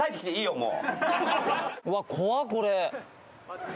うわ怖っこれ。